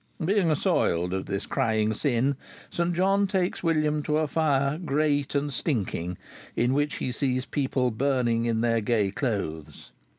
Being assoiled of this crying sin, St. John takes William to a fire "grete and styngkyng," in which he sees people burning in their gay clothes.